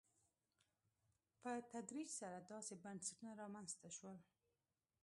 په تدریج سره داسې بنسټونه رامنځته شول.